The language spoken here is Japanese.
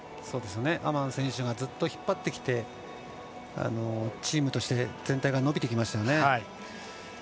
アマン選手がずっと引っ張ってきてチームとして全体が伸びてきましたよね。